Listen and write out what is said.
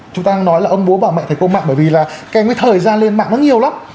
chúng ta nói là ông bố bà mẹ thầy cô mạng bởi vì là cái thời gian lên mạng nó nhiều lắm